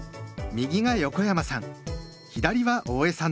右が横山さん